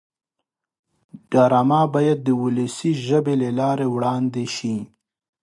ډرامه باید د ولسي ژبې له لارې وړاندې شي